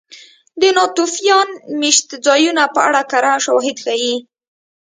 د ناتوفیان مېشتځایونو په اړه کره شواهد ښيي